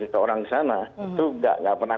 ke orang sana itu nggak pernah